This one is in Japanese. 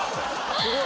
すごい！